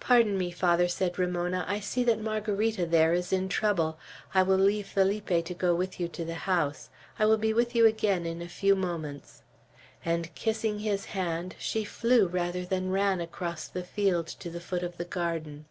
"Pardon me, Father," said Ramona. "I see that Margarita there is in trouble. I will leave Felipe to go with you to the house. I will be with you again in a few moments." And kissing his hand, she flew rather than ran across the field to the foot of the garden.